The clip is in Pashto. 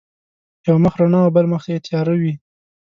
یو مخ رڼا او بل مخ یې تیار وي.